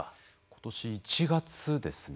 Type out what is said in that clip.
今年１月ですね。